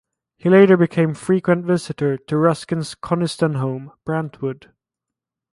He later became a frequent visitor to Ruskin's Coniston home, Brantwood.